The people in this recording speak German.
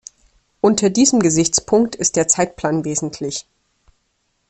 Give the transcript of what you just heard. Unter diesem Gesichtspunkt ist der Zeitplan wesentlich.